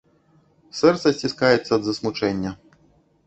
Сэрца сціскаецца ад засмучэння.